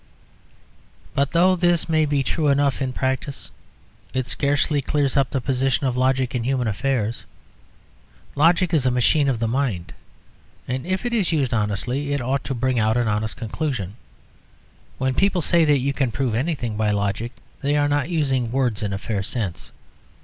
But though this may be true enough in practice, it scarcely clears up the position of logic in human affairs. Logic is a machine of the mind, and if it is used honestly it ought to bring out an honest conclusion. When people say that you can prove anything by logic, they are not using words in a fair sense.